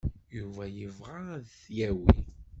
Yuba yebɣa ad t-yawi.